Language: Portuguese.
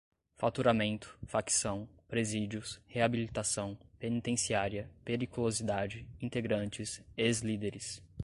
faturamento, facção, presídios, reabilitação, penitenciária, periculosidade, integrantes, ex-líderes